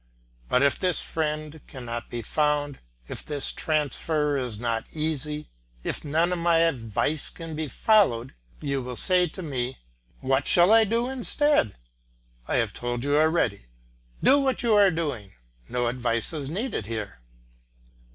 But if this friend cannot be found, if this transfer is not easy, if none of my advice can be followed, you will say to me, "What shall I do instead?" I have told you already "Do what you are doing;" no advice is needed there.